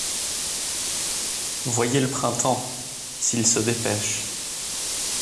Voyez le printemps ; s’il se dépêche